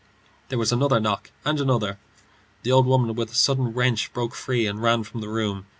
There was another knock, and another. The old woman with a sudden wrench broke free and ran from the room.